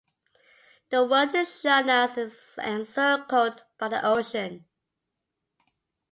The world is shown as encircled by the ocean.